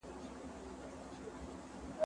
وني وویل پر ملا ځکه ماتېږم